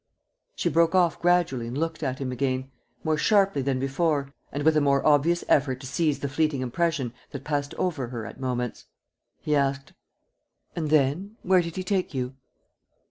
." She broke off gradually and looked at him again, more sharply than before and with a more obvious effort to seize the fleeting impression that passed over her at moments. He asked: "And then? Where did he take you?"